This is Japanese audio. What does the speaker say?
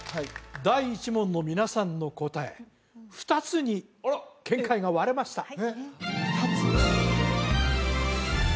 第１問の皆さんの答え２つに見解が割れましたさあ